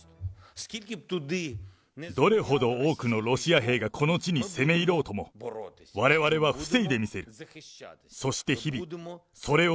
どれほど多くのロシア兵がこの地に攻め入ろうとも、われわれは防いでみせる。